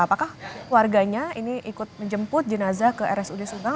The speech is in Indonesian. apakah warganya ini ikut menjemput jenazah ke rsud subang